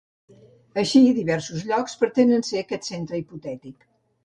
Així, diversos llocs pretenen ser aquest centre hipotètic.